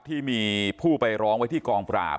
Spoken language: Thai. ที่มีผู้ไปร้องไว้ที่กองปราบ